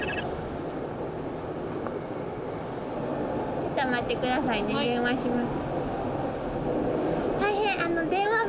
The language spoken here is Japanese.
ちょっと待って下さいね電話します。